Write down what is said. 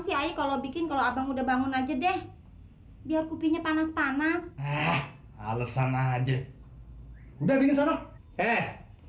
si ayah kalau bikin kalau abang udah bangun aja deh biar kupinya panas panas alesan aja udah